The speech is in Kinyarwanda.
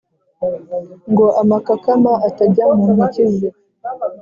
ngo amakakama atajya mu ntoki ze